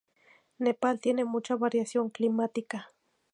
Nepal tiene mucha variación climática.